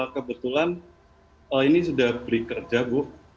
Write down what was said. kebetulan ini sudah beri kerja bu